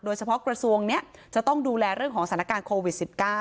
กระทรวงนี้จะต้องดูแลเรื่องของสถานการณ์โควิด๑๙